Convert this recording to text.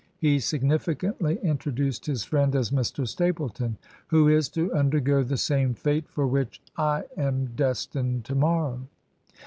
He significantly introduced his friend as Mr Stapleton, "who is to undergo the same fate for which I am destined tomorrow."